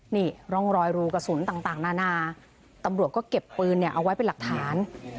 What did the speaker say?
นี่ร่องรอยรูกระสุนต่างนานาตำรวจก็เก็บปืนเนี่ยเอาไว้เป็นหลักฐาน